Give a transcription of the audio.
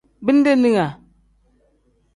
Bindeninga.